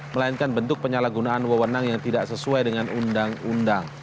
melainkan bentuk penyalahgunaan wewenang yang tidak sesuai dengan undang undang